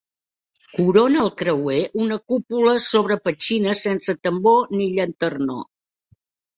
Corona el creuer una cúpula sobre petxines sense tambor ni llanternó.